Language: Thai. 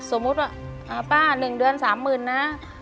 สมมุติว่าป้า๑เดือน๓๐๐๐นะ